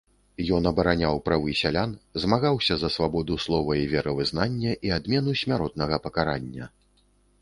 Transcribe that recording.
Ён абараняў правы сялян, змагаўся за свабоду слова і веравызнання і адмену смяротнага пакарання.